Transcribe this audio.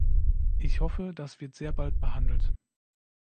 Ich hoffe, das wird sehr bald behandelt.